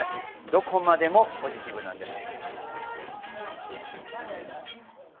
どこまでもポジティブなんです。